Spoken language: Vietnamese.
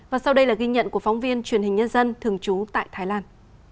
và sau đây là ghi nhận của phóng viên truyền hình nhân dân thường trú tại thái lan